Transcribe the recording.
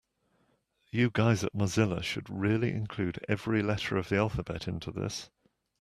You guys at Mozilla should really include every letter of the alphabet into this.